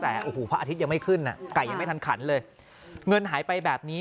แต่โอ้โหพระอาทิตย์ยังไม่ขึ้นอ่ะไก่ยังไม่ทันขันเลยเงินหายไปแบบนี้